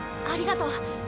ありがとう。